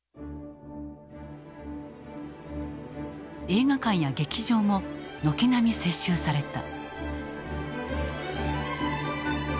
映画館や劇場も軒並み接収された。